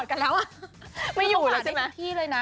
แล้วเขาก็หาในน้ำที่เลยนะ